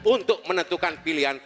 untuk menentukan pilihan